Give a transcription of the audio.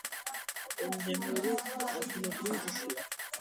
ენდემური, ადგილობრივი ჯიშია.